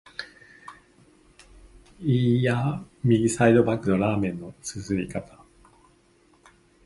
いーや、右サイドバックのラーメンの啜り方！